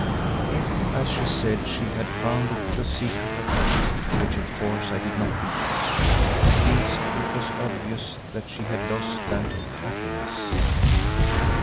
If, as she said, she had found the secret of life, which of course I did not believe, at least it was obvious that she had lost that of happiness.